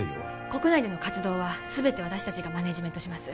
国内での活動はすべて私達がマネージメントします